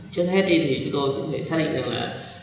trước hết thì chúng tôi cũng thể xác định rằng là